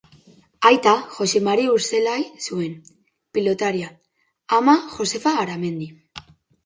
Aita, Joxe Mari Urzelai zuen, pilotaria; ama, Josefa Aramendi.